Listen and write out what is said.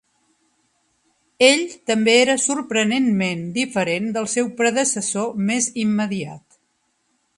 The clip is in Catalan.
Ell també era sorprenentment diferent del seu predecessor més immediat.